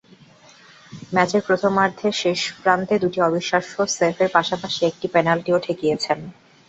ম্যাচের প্রথমার্ধের শেষ প্রান্তে দুটি অবিশ্বাস্য সেভের পাশাপাশি একটি পেনাল্টিও ঠেকিয়েছেন।